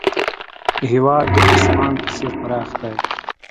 هېواد د اسمان په څېر پراخ دی.